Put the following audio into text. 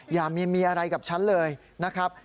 อย่ามีอะไรกับฉันเลยนะครับ